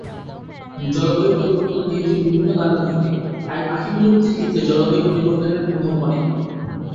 জলবায়ু পরিবর্তন যেহেতু বিভিন্ন কারণে ঘটে, তাই পাখি বিলুপ্তির ক্ষেত্রে জলবায়ু পরিবর্তনের প্রভাব অনেক।